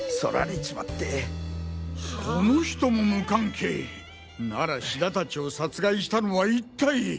この人も無関係！なら志田たちを殺害したのは一体！？